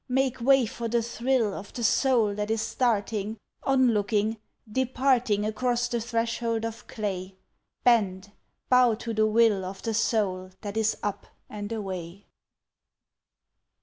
Make way for the thrill Of the soul that is starting Onlooking departing Across the threshold of clay. Bend, bow to the will Of the soul that is up and away!